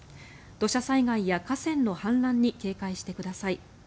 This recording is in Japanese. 土砂災害や河川の氾濫に警戒してください。